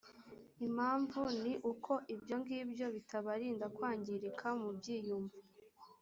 impamvu ni uko ibyo ngibyo bitabarinda kwangirika mu byiyumvo